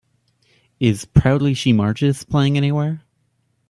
Is Proudly She Marches playing anywhere?